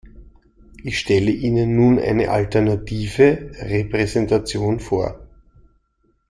Ich stelle Ihnen nun eine alternative Repräsentation vor.